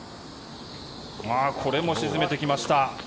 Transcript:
これも沈めてきました。